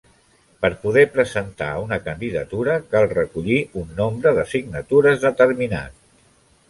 Per poder presentar una candidatura cal recollir un nombre de signatures determinat.